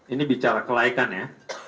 ini bicara kelaikan ya